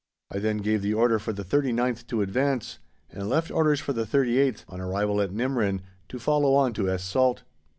I then gave the order for the 39th to advance, and left orders for the 38th, on arrival at Nimrin, to follow on to Es Salt.